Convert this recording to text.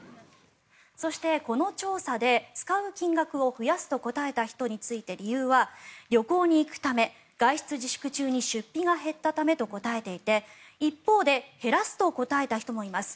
そして、この調査で使う金額を増やすと答えた人について理由は旅行に行くため外出自粛中に出費が減ったためと答えていて、一方で減らすと答えた人もいます。